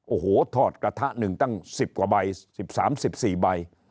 โอ้โหทอดกระทะหนึ่งตั้งสิบกว่าใบสิบสามสิบสี่ใบ